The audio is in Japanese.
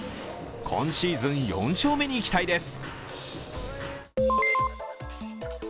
今シーズン４勝目に期待です。